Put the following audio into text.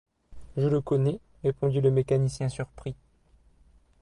Je le connais, répondit le mécanicien surpris.